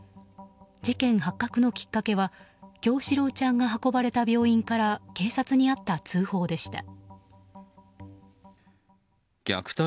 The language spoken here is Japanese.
事件発覚のきっかけは叶志郎ちゃんが運ばれた病院から警察にあった通報でした。